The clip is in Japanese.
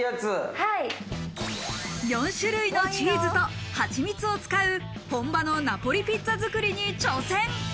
４種類のチーズと蜂蜜を使う本場のナポリピッツァ作りに挑戦。